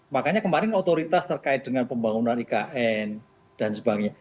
makanya kemarin otoritas terkait dengan pembangunan ikn dan sebagainya